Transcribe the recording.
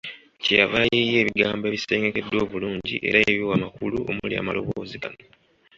Kye yava ayiiya ebigambo ebisengekeddwa obulungi era ebiwa amakulu omuli amaloboozi gano.